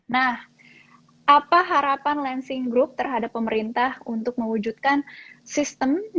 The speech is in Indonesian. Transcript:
nah apa harapan lansing group terhadap pemerintah untuk mewujudkan sistem